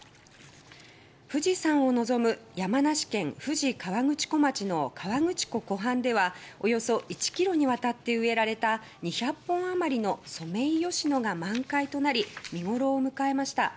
富士山を望む山梨県富士河口湖町の河口湖・湖畔ではおよそ１キロにわたって植えられた２００本あまりのソメイヨシノが満開となり、見頃を迎えました。